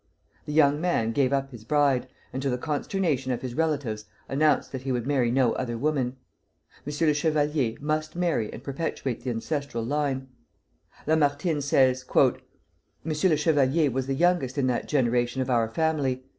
The young man gave up his bride, and to the consternation of his relatives announced that he would marry no other woman. M. le Chevalier must marry and perpetuate the ancestral line. Lamartine says, "M. le Chevalier was the youngest in that generation of our family.